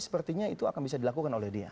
sepertinya itu akan bisa dilakukan oleh dia